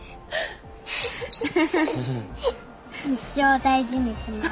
一生大事にします。